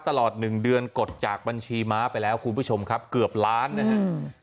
ตลอด๑เดือนกดจากบัญชีม้าไปแล้วคุณผู้ชมครับเกือบล้านนะครับ